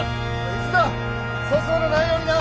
一同粗相のないようにな！